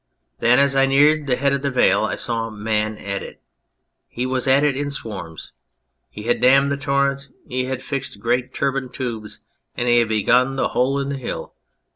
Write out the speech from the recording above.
Then, as I neared the head of the vale I saw Man at it. He was at it in swarms. He had dammed the torrent ; he had fixed great turbine tubes, and he had begun the Hole in the Hill.